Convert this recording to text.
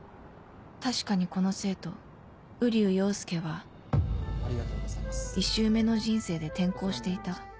確かにこの生徒瓜生陽介は１周目の人生で転校していた